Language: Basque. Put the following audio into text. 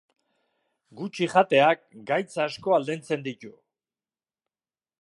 Gutxi jateak gaitz asko aldentzen ditu.